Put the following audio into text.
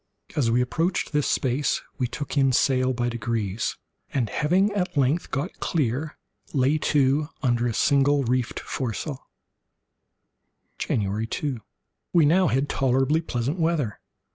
As we approached this space we took in sail by degrees, and having at length got clear, lay to under a single reefed foresail. January 2.—We had now tolerably pleasant weather.